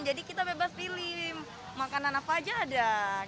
jadi kita bebas pilih makanan apa saja ada